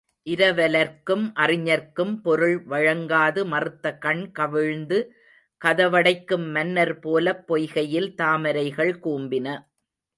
இரவலர்க்கும் அறிஞர்க்கும் பொருள் வழங்காது மறுத்துக் கண் கவிழ்ந்து கதவடைக்கும் மன்னர் போலப் பொய்கையில் தாமரைகள் கூம்பின.